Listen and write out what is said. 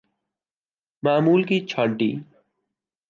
معمول کی چھانٹی